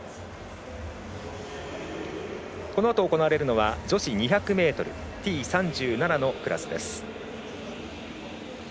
このあと行われるのは女子２００ｍＴ３７のクラスです。